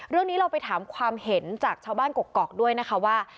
เรื่องนี้เราไปถามความเห็นจากชาวบ้านกกอกด้วยนะคะว่า